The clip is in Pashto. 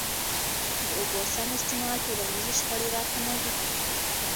د اوبو سم استعمال ټولنیزي شخړي را کموي.